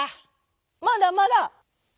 「まだまだ」。